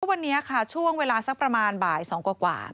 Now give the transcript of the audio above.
วันนี้ค่ะช่วงเวลาสักประมาณบ่าย๒กว่า